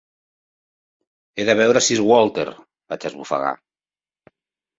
"He de veure Sir Walter", vaig esbufegar.